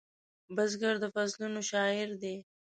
بزګر د فصلونو شاعر دی